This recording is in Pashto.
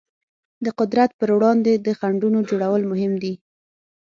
د قدرت پر وړاندې د خنډونو جوړول مهم دي.